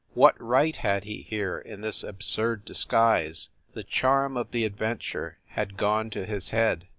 What right had he here, in this absurd disguise! The charm of the adventure had gone to his head.